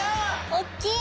おっきい！